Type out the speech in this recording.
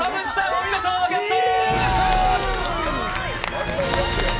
お見事、ゲット！